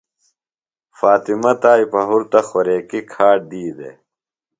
فاطمہ تائی پہُرتہ خوریکیۡ کھاڈ دی دےۡ۔